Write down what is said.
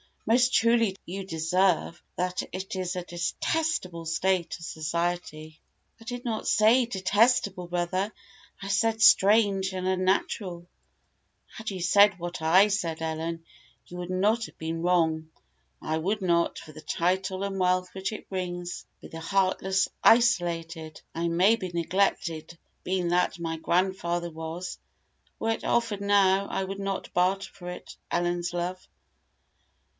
Most truly do you observe, that it is a detestable state of society." "I did not say detestable, brother; I said strange and unnatural." "Had you said what I said, Ellen, you would not have been wrong. I would not, for the title and wealth which it brings, be the heartless, isolated, I may say neglected, being that my grandfather was: were it offered now, I would not barter for it Ellen's love."